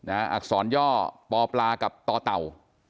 อักษรย่อปอปลากับต่อเต่า